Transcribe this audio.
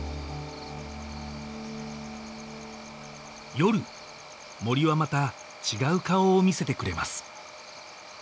夜森はまた違う顔を見せてくれます